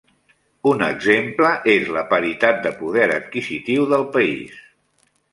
Un exemple és la paritat de poder adquisitiu del país.